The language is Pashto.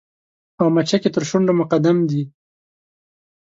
او مچکې تر شونډو مقدم دې